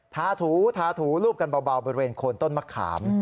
ถูทาถูรูปกันเบาบริเวณโคนต้นมะขาม